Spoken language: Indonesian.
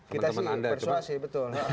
kita sih persuasi betul